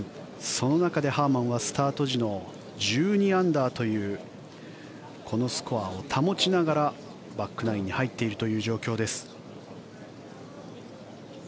その中でハーマンはスタート時の１２アンダーというこのスコアを保ちながらバックナインに入っているという状況です。